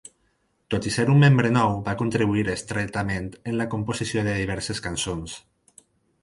Tot i ser un membre nou, va contribuir estretament en la composició de diverses cançons.